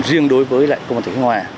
riêng đối với lại công an tỉnh khánh hòa